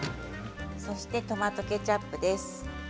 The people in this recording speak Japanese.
そしてトマトケチャップです。